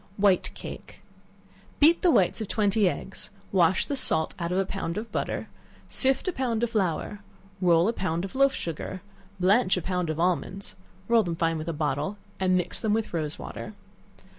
White Cake. Beat the whites of twenty eggs; wash the salt out of a pound of butter; sift a pound of flour, roll a pound of loaf sugar, blanch a pound of almonds; roll them fine with a bottle, and mix them with rose water.